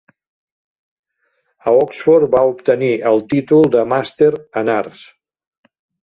A Oxford va obtenir el títol de Màster en Arts.